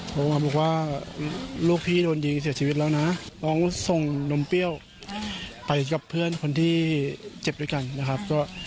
โทรมาบอกว่าลูกพี่โดนยิงเสียชีวิตแล้วนะน้องส่งนมเปรี้ยวไปกับเพื่อนคนที่เจ็บด้วยกันนะครับ